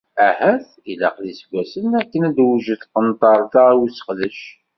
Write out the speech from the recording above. Ahat ilaq d iseggasen akken ad tewjed tqenṭert-a i useqdec.